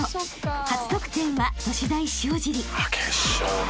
［初得点は都市大塩尻］